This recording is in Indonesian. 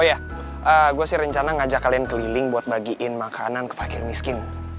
oh iya gue sih rencana ngajak kalian keliling buat bagiin makanan ke pakaian miskin